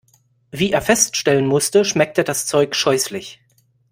Wie er feststellen musste, schmeckte das Zeug scheußlich.